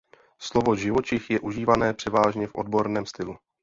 Slovo živočich je užívané převážně v odborném stylu.